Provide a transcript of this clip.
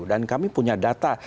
dan kami punya data